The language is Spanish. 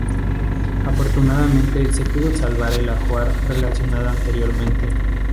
Afortunadamente se pudo salvar el ajuar relacionado anteriormente.